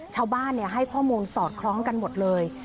ชาวบ้านให้ข้อมูลสอดคล้องกันหมดเลย